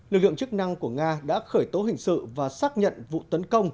lực lượng chức năng của nga đã khởi tố hình sự và xác nhận vụ tấn công